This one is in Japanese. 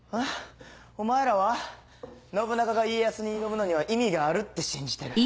お前らは信長が家康に挑むのには意味があるって信じてる？